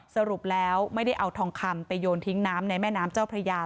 สรุปแล้วไม่ได้เอาทองคำไปโยนทิ้งน้ำในแม่น้ำเจ้าพระยา